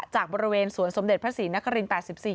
จากบริเวณสวนสมเด็จพระศรีนคริน๘๔